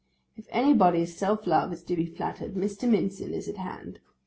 If anybody's self love is to be flattered, Mr. Mincin is at hand.